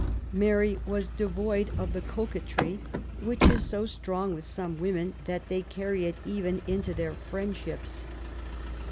Mary was devoid of the coquetry which is so strong with some women that they carry it even into their friendships.